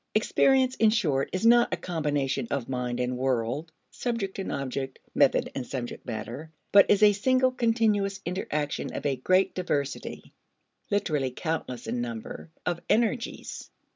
Experience, in short, is not a combination of mind and world, subject and object, method and subject matter, but is a single continuous interaction of a great diversity (literally countless in number) of energies.